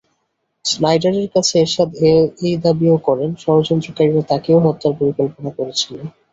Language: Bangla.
স্নাইডারের কাছে এরশাদ এই দাবিও করেন, ষড়যন্ত্রকারীরা তাঁকেও হত্যার পরিকল্পনা করেছিল।